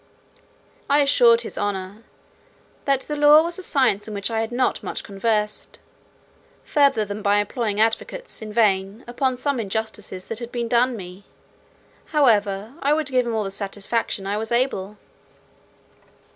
I assured his honour, "that law was a science in which I had not much conversed, further than by employing advocates, in vain, upon some injustices that had been done me: however, I would give him all the satisfaction I was able."